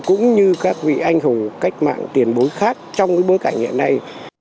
cũng như các vị anh hùng cách mạng tiền bối khác trong bối cảnh hiện nay